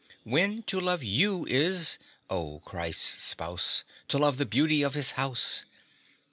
When to love you is (O Christ's spouse!) To love the beauty of His house.